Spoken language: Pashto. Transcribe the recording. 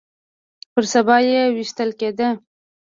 پر سبا يې ويشتل کېده.